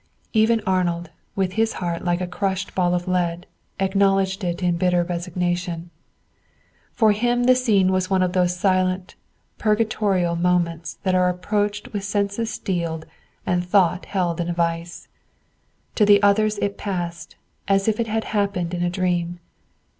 Even Arnold, with his heart like a crushed ball of lead, acknowledged it in bitter resignation. For him the scene was one of those silent, purgatorial moments that are approached with senses steeled and thought held in a vice. To the others it passed, as if it had happened in a dream.